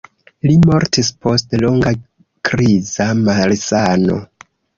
Li mortis post longa kriza malsano.